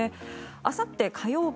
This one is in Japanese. あさって、火曜日